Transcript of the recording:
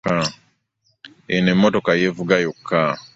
Eno emmotoka yevuga yokka.